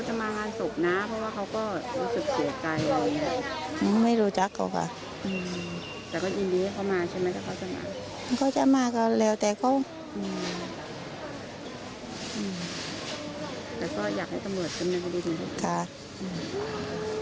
แต่ก็อยากให้ตำรวจจำนวนคดีถึงทุกอย่าง